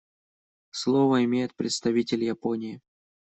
Слово имеет представитель Японии.